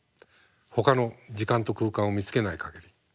ほかの時間と空間を見つけない限り。